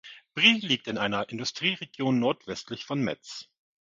Briey liegt in einer Industrieregion nordwestlich von Metz.